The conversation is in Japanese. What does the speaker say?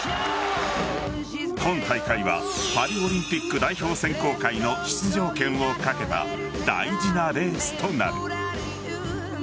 今大会はパリオリンピック代表選考会の出場権を懸けた大事なレースとなる。